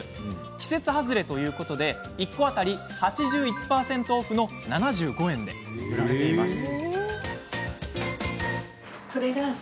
季節外れということで１個当たり８１％オフの７５円で売られています。